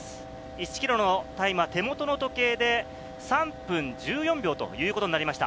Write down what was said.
１ｋｍのタイム、手元の時計で３分１４秒ということになりました。